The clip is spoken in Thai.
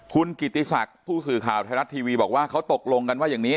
คุณกิติศักดิ์ผู้สื่อข่าวไทยรัฐทีวีบอกว่าเขาตกลงกันว่าอย่างนี้